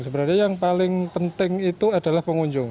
sebenarnya yang paling penting itu adalah pengunjung